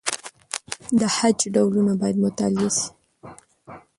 د خج ډولونه باید مطالعه سي.